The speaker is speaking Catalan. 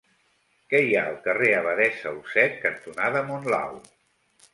Què hi ha al carrer Abadessa Olzet cantonada Monlau?